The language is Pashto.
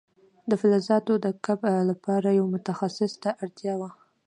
د فلزاتو د کوب لپاره یو متخصص ته اړتیا وه.